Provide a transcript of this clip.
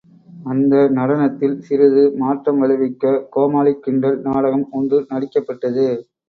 அந்த நடனத்தில் சிறிது மாற்றம் விளைவிக்கக் கோமாளிக் கிண்டல் நாடகம் ஒன்று நடிக்கப்பட்டது.